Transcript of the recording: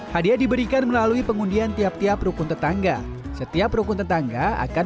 hadiah diberikan melalui pengundian tiap tiap rukun tetangga setiap rukun tetangga akan